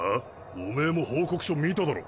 おめぇも報告書見ただろ。